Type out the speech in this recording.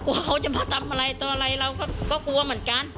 เขาจะมาทำอะไรต่ออะไรเราก็กลัวเหมือนกัน